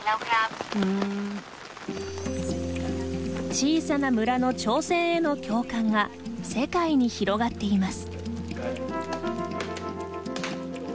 小さな村の挑戦への共感が世界に広がっています。